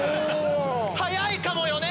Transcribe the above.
早いかもよね！